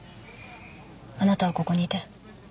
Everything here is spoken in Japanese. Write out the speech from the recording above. あなたはここにいて。